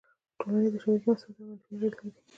ټولنیزې شبکې مثبت او منفي اغېزې لري.